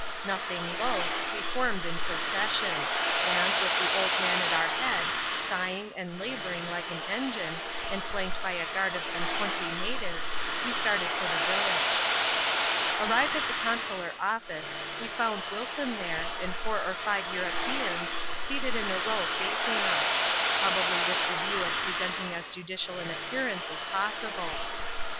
Nothing loth, we formed in procession ; and, with the old man at our head, sighing and labouring like an engine, *and flanked by a guard of some twenty natives, we started for the village. Arrived at the consular office, we found Wilson there, and four or five Europeans, seated in a row facing us; probably with the view of presenting as judicial an appearance as pos sible.